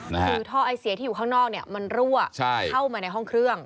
คือท่อไอเสียที่อยู่ข้างนอกมันรั่วเข้ามาในห้องเครื่อง